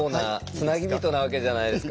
「つなぎびと」なわけじゃないですか。